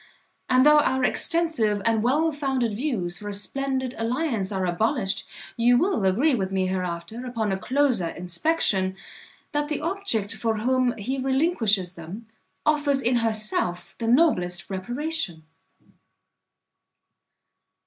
And though our extensive and well founded views for a splendid alliance are abolished, you will agree with me hereafter, upon a closer inspection, that the object for whom he relinquishes them, offers in herself the noblest reparation."